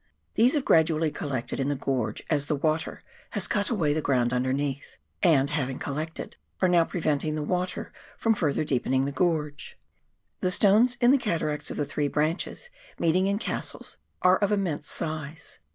These have gradually collected in the gorge as the water has cut away the ground underneath, and having collected, are now preventing the water from further deepening the gorge. The stones in the cataracts of the three branches meeting in Cassell's are of immense size.